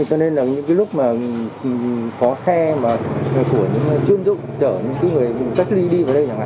cho nên là những lúc có xe của những chuyên dụng chở những người cách ly đi vào đây